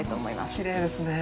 きれいですね。